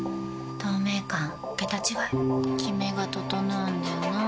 透明感桁違いキメが整うんだよな。